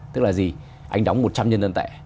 tức là gì anh đóng một trăm linh nhân dân tệ